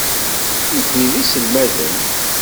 Nekkni d iselmaden.